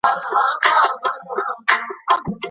د بریا منار یوازي مستحقو ته نه سي سپارل کېدلای.